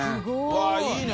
わっいいね！